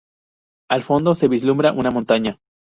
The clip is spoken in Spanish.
Al fondo se vislumbra una montaña.